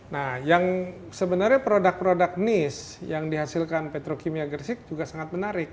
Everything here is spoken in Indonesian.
nah yang sebenarnya produk produk niche yang dihasilkan petro kimia gersik juga sangat menarik